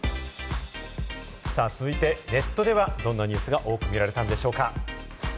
続いてネットではどんなニュースが多く見られたんでしょうか。